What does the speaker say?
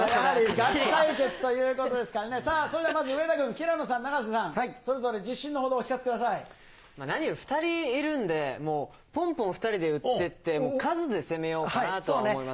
ガチ対決ということですからね、さあ、それではまず上田軍、平野さん、永瀬さん、それぞれ自信のほどを２人いるんで、ぽんぽん２人で打ってって、数で攻めようかなと思います。